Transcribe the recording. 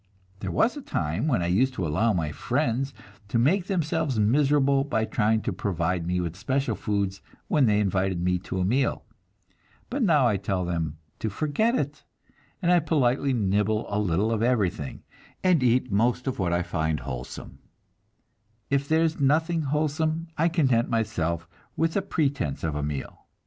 There was a time when I used to allow my friends to make themselves miserable by trying to provide me with special foods when they invited me to a meal, but now I tell them to "forget it," and I politely nibble a little of everything, and eat most of what I find wholesome; if there is nothing wholesome, I content myself with the pretense of a meal.